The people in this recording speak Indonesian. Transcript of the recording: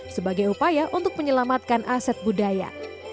sebagai upaya untuk menyelamatkan aset budaya